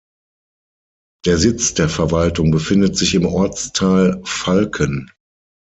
Der Sitz der Verwaltung befindet sich im Ortsteil Falken.